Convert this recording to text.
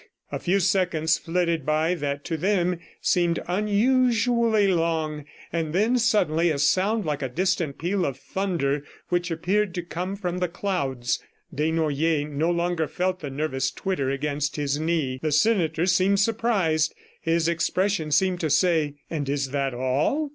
... A few seconds flitted by that to them seemed unusually long ... and then suddenly a sound like a distant peal of thunder which appeared to come from the clouds. Desnoyers no longer felt the nervous twitter against his knee. The senator seemed surprised; his expression seemed to say, "And is that all?"